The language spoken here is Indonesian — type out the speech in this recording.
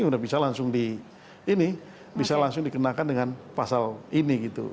sudah bisa langsung dikenakan dengan pasal ini gitu